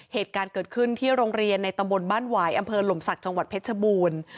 เหตุการณ์เกิดขึ้นที่โรงเรียนในตำบลบ้านหวายอำเภอหลมศักดิ์จังหวัดเพชรบูรณ์